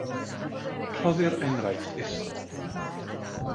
Rhoddir enghraifft isod.